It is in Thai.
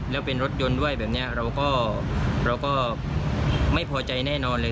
แล้วเป็นรถยนต์ด้วยแบบนี้เราก็เราก็ไม่พอใจแน่นอนเลย